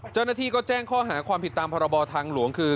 เจ้าหน้าที่ก็แจ้งข้อหาความผิดตามพรบทางหลวงคือ